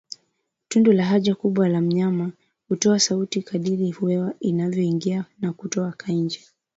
Tundu la haja kubwa ya mnyama hutoa sauti kadiri hewa inavyoingia na kutoka nje